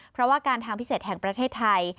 เพราะว่าการทางพิเศษแห่งประเทศไทย